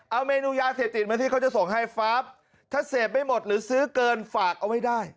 เอาเมนูยาเสพติดมาที่เขาจะส่งให้ฟ้าถ้าเสพไม่หมดหรือซื้อเกินฝากเอาไว้ได้